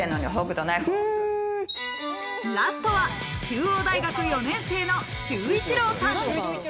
ラストは中央大学４年生の修一朗さん。